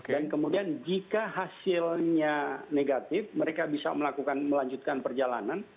dan kemudian jika hasilnya negatif mereka bisa melanjutkan perjalanan